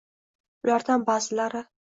Ulardan ba’zilari